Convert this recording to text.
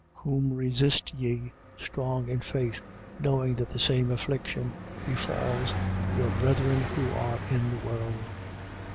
5:9. Whom resist ye, strong in faith: knowing that the same affliction befalls, your brethren who are in the world.